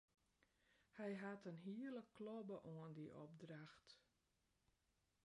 Hy hat in hiele klobbe oan dy opdracht.